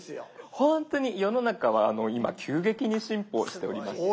ほんとに世の中は今急激に進歩しておりまして。